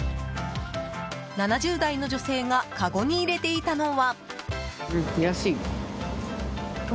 ７０代の女性がかごに入れていたのは。